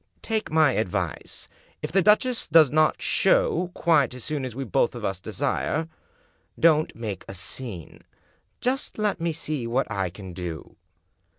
Take my advice. If the duchess does not show quite as soon as we both of us desire, don't make a scene; just let me see what I can do."